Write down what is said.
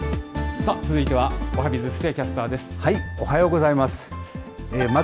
さあ、続いてはおはＢｉｚ、布施おはようございます。